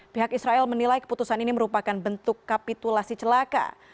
pihak israel menilai keputusan ini merupakan bentuk kapitulasi celaka